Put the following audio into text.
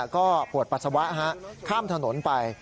ก็ปวดปัสสาวะข้ามถนนไป